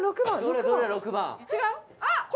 ６番」